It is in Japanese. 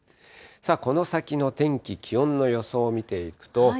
この先の天気、気温の予想を見ていくと。